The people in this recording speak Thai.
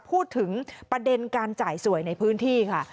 พูดถึงประเด็นการจ่ายสวยในพื้นที่ค่ะ